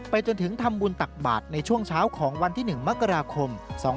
จนถึงทำบุญตักบาทในช่วงเช้าของวันที่๑มกราคม๒๕๖๒